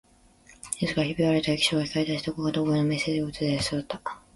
いつかひび割れた液晶が光り出し、どこか遠くからのメッセージを映し出しそうだった